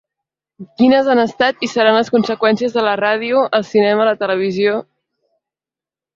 Quines han estat i seran les conseqüències de la ràdio, el cinema, la televisió...?